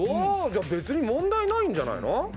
じゃあ別に問題ないんじゃないの？